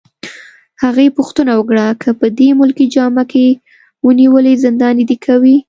هغې پوښتنه وکړه: که په دې ملکي جامه کي ونیولې، زنداني دي کوي؟